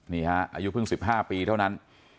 นี่ฮะอายุเพิ่ง๑๕ปีเท่านั้น